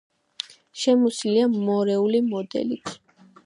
შემოსილია მეორეული მდელოთი.